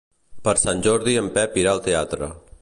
Per Sant Jordi en Pep irà al teatre.